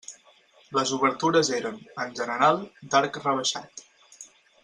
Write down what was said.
Les obertures eren, en general, d'arc rebaixat.